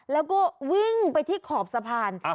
แล้วก็วิ่งไปที่ขอบสะพาน